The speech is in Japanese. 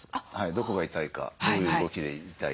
どこが痛いかどういう動きで痛いか。